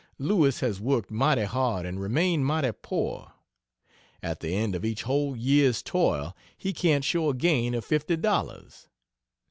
Lewis has worked mighty hard and remained mighty poor. At the end of each whole year's toil he can't show a gain of fifty dollars.